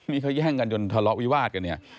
นี่เขาแย่งกันจนทะเลาะวิวาสกันเนี่ย